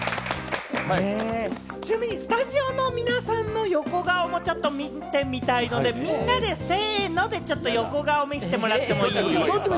ちなみにスタジオの皆さんの横顔もちょっと見てみたいので、みんなでせので横顔を見せてもらっていいですか？